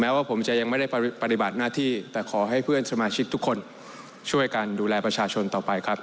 ว่าผมจะยังไม่ได้ปฏิบัติหน้าที่แต่ขอให้เพื่อนสมาชิกทุกคนช่วยกันดูแลประชาชนต่อไปครับ